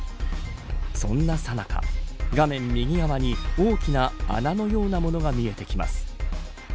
そんなさなか画面右側に大きな穴のようなものが見えてきます。